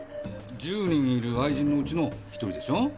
１０人いる愛人のうちの１人でしょ？